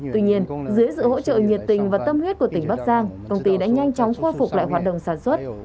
tuy nhiên dưới sự hỗ trợ nhiệt tình và tâm huyết của tỉnh bắc giang công ty đã nhanh chóng khôi phục lại hoạt động sản xuất